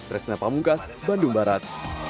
resna pamungkas bandung barat